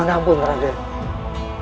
erni bencar dirinya